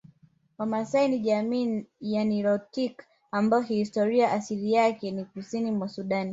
Wamasai ni jamii ya nilotiki ambayo kihistoria asilia yake ni Kusini mwa Sudani